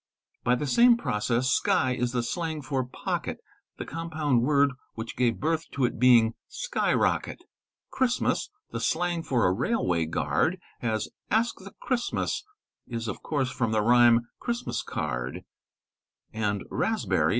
By the same process sky is the slang for pocket, the compound word which gave birth to it being "sky rocket"' '"' Christmas" the slang for a railway guard, as "' Ask the Christmas,"' is, of course, from the rhyme " Christmas b card"; and 'raspberry'?